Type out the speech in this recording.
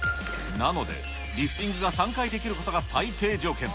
なので、リフティングが３回できることが最低条件。